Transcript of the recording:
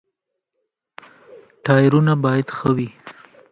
ټایرونه باید ښه وي.